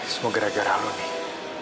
semua gara gara lu nih